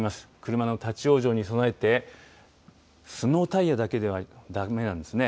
車の立往生に備えて、スノータイヤだけではだめなんですね。